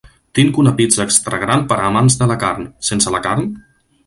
Tinc una pizza extragran per a amants de la carn... sense la carn?